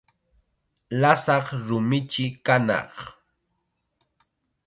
Lasaq rumichi kanaq.